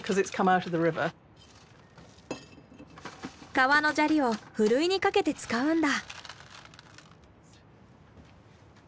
川の砂利をふるいにかけて使うんだ。